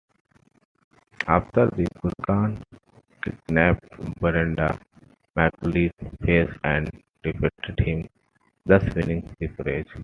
After the Kurgan kidnapped Brenda, MacLeod faced and defeated him, thus winning "The Prize".